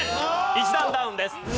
１段ダウンです。